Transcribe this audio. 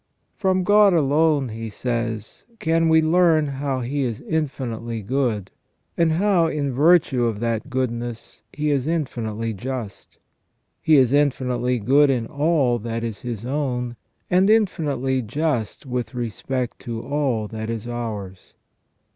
From God alone, he says, can we learn how He is infinitely good, and how in virtue of that goodness He is infinitely just. He is infinitely good in all that is His own, and infinitely just with respect to all that is ours.